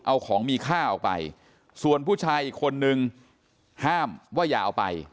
เอาของมีค่าออกไปส่วนผู้ชายอีกคนนึงห้ามว่าอย่าเอาไป